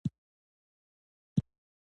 کاناډا د بریښنا شرکتونه لري.